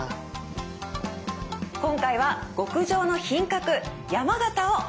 今回は「極上の品格山形」をお届けしました。